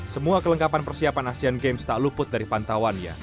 semua kelengkapan persiapan asean games tak luput dari pantauannya